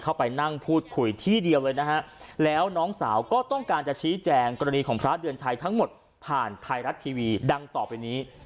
เข้าไปนั่งพูดคุยที่เดียวเลยนะฮะแล้วน้องสาวก็ต้องการจะชี้แจงกรณีของพระเดือนชัยทั้งหมดผ่านไทยรัฐทีวีดังต่อไปนี้